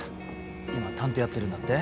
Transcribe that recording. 今探偵やってるんだって？